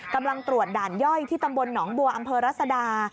กำลังตรวจด่านย่อยที่ตำบลหนองบัวอำเภอรัศดา